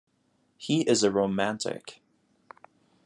He is a romantic.